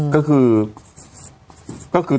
ก็คือ